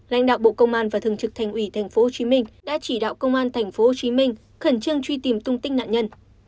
lãnh đạo bộ công an và thường trực thành ủy tp hcm đã chỉ đạo công an tp hcm khẩn trương truy tìm tung tích nạn nhân